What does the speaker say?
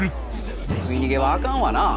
食い逃げはあかんわな。